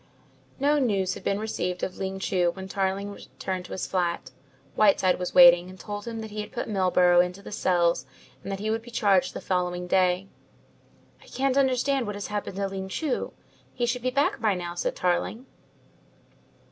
No news had been received of Ling Chu when Tarling returned to his flat. Whiteside was waiting; and told him that he had put Milburgh into the cells and that he would be charged the following day. "I can't understand what has happened to Ling Chu. He should be back by now," said Tarling.